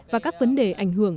và các vấn đề ảnh hưởng